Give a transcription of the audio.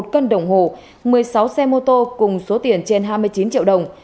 một cân đồng hồ một mươi sáu xe mô tô cùng số tiền trên hai mươi chín triệu đồng